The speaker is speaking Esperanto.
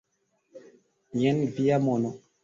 Jen via mono